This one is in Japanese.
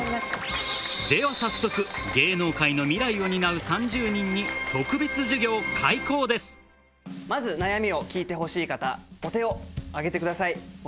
では早速、芸能界の未来を担う３０人に、まず悩みを聞いてほしい方、お手を挙げてください。